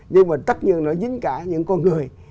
nhưng mà tất nhiên nữa dính cả những con người